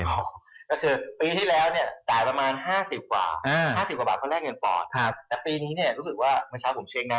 ก็คือปีที่แล้วเนี่ยจ่ายประมาณบาท๕๐กว่า